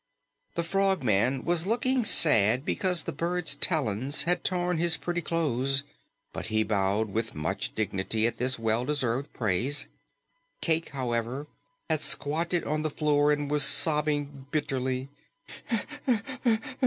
The Frogman was looking sad because the bird's talons had torn his pretty clothes, but he bowed with much dignity at this well deserved praise. Cayke, however, had squatted on the floor and was sobbing bitterly.